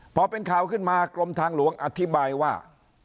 พอเป็นข่าวขึ้นมากรมทางหลวงอธิบายว่า